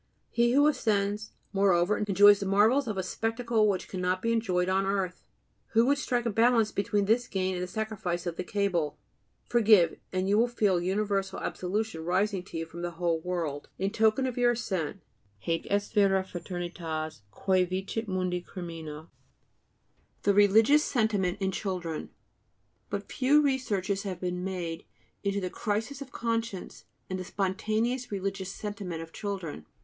He who ascends, moreover, enjoys the marvels of a spectacle which cannot be enjoyed on earth. Who would strike a balance between this gain and the sacrifice of the cable? Forgive, and you will feel universal absolution rising to you from the whole world, in token of your ascent Haec est vera fraternitas, quae vicit mundi crimina. =The religious sentiment in children=. But few researches have been made into the crises of conscience and the spontaneous religious sentiment of children.